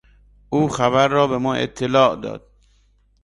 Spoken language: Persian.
او خبر را به ما اطلاع داد.